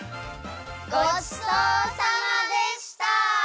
ごちそうさまでした！